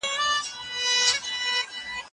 زه به کتابتوننۍ سره وخت تېره کړی وي.